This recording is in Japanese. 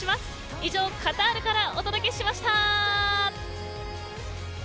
以上カタールからお届けしました。